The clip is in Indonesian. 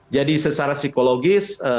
jadi secara psikologis